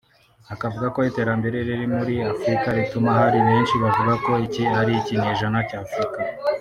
Akavuga ko iterambere riri muri Afurika rituma hari benshi bavuga ko iki ari ikinyejana cya Afurika